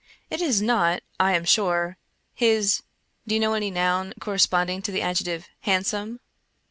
It is not, I am sure, his — do you know any noun corre sponding to the adjective " handsome